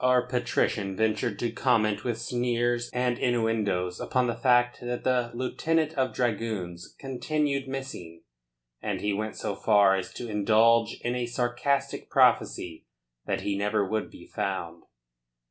Our patrician ventured to comment with sneers and innuendoes upon the fact that the lieutenant of dragoons continued missing, and he went so far as to indulge in a sarcastic prophecy that he never would be found.